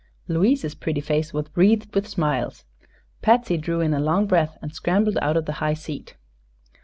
Louise's pretty face was wreathed with smiles. Patsy drew in a long breath and scrambled out of the high seat.